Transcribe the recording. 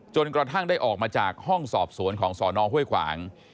จนกระทั่งได้ออกมาจากห้องสอบสวนของสนห้วยขวาง